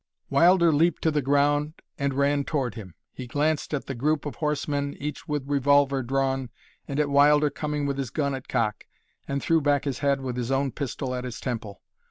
Wilder leaped to the ground and ran toward him. He glanced at the group of horsemen, each with revolver drawn, and at Wilder coming with his gun at cock, then threw back his head with his own pistol at his temple.